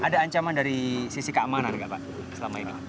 ada ancaman dari sisi keamanan nggak pak selama ini